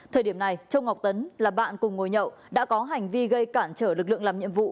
thời điểm này châu ngọc tấn là bạn cùng ngồi nhậu đã có hành vi gây cản trở lực lượng làm nhiệm vụ